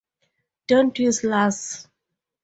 Don't use slurs.